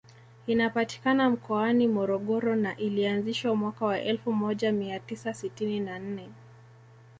Inapatikana mkoani Morogoro na ilianzishwa mwaka wa elfu moja mia tisa sitini na nne